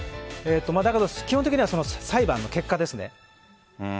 だけど、基本的には裁判の結果ですね。